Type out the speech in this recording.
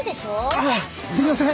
ああすいません。